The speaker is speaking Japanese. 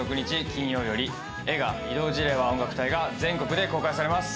金曜日より映画「異動辞令は音楽隊！」が全国で公開されます。